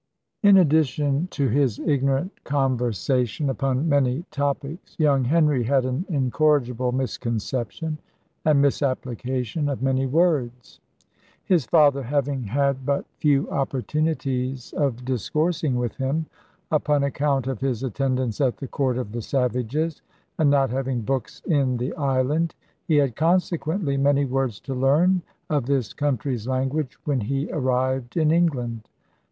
In addition to his ignorant conversation upon many topics, young Henry had an incorrigible misconception and misapplication of many words. His father having had but few opportunities of discoursing with him, upon account of his attendance at the court of the savages, and not having books in the island, he had consequently many words to learn of this country's language when he arrived in England.